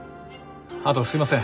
あとすいません